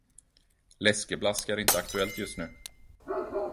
Läskeblask är inte aktuellt just nu.